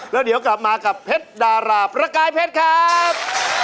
แล้วเดี๋ยวกลับมากับเพชรดาราประกายเพชรครับ